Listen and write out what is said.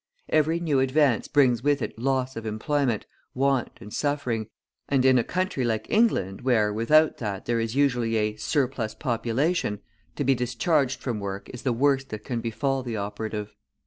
Every new advance brings with it loss of employment, want, and suffering, and in a country like England where, without that, there is usually a "surplus population," to be discharged from work is the worst that can befall the operative.